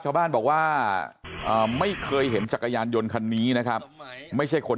ชาวบ้านบอกว่าไม่เคยเห็นจักรยานยนต์คันนี้นะครับไม่ใช่คน